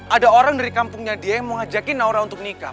ada orang dari kampungnya dia yang mau ngajakin naura untuk nikah